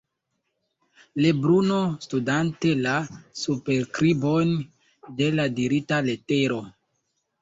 Lebruno, studante la superskribon de la dirita letero.